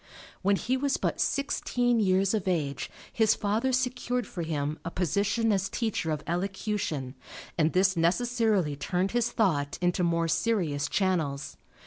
When he was but sixteen years of age his father secured for him a position as teacher of elocution and this necessarily turned his thought into more serious channels.